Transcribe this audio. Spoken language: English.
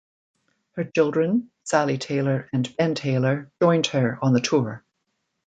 Her children, Sally Taylor and Ben Taylor, joined her on the tour.